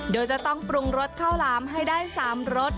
โดยจะต้องปรุงรสข้าวหลามให้ได้๓รส